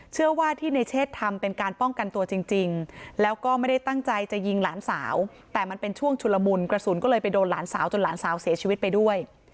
เชื่อว่าที่ในเชศทำเป็นการป้องกันตัวจริงแล้วก็ไม่ได้ตั้งใจจะยิงหลานสาวแต่มันเป็นช่วงชุลมุนกระสุนก็เลยไปโดนหลานสาวจนหลานสาวเสียชีวิตไปด้วย